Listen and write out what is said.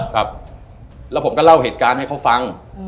ครับแล้วผมก็เล่าเหตุการณ์ให้เขาฟัง